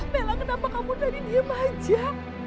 bella kenapa kamu dari diem aja